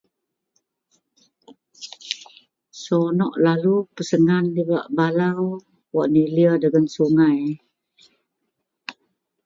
Seronok lalu pesrngan dibak balau wak nilir dagen sungai.